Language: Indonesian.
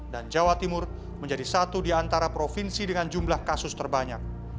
dan jawa timur menjadi satu di antara provinsi dengan jumlah kasus terbanyak